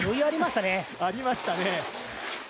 ありましたね。